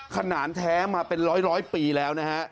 ขนาดแท้มาเป็นร้อยปีแล้วนะฮะ